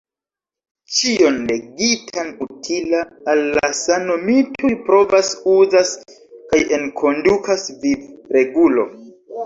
Ĉion legitan utila al la sano mi tuj provas-uzas kaj enkondukas vivregulo.